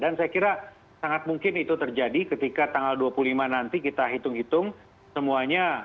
dan saya kira sangat mungkin itu terjadi ketika tanggal dua puluh lima nanti kita hitung hitung semuanya